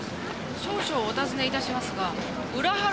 少々お尋ねいたしますが裏